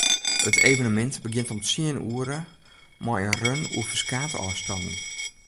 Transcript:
It evenemint begjint om tsien oere mei in run oer ferskate ôfstannen.